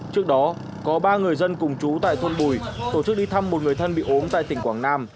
trước đó có ba người dân cùng chú tại thôn bùi tổ chức đi thăm một người thân bị ốm tại tỉnh quảng nam